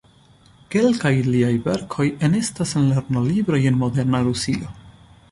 Kelkaj liaj verkoj enestas en lernolibroj en moderna Rusio.